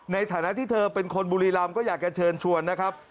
ในฐานะที่เธอเป็นคนบุรีรำก็อยากจะเชิญชวนนะครับ